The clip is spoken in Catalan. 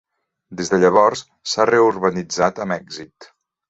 Des de llavors, s'ha reurbanitzat amb èxit.